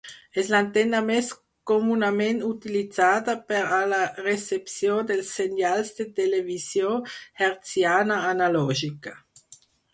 És l'antena més comunament utilitzada per a la recepció dels senyals de televisió hertziana analògica.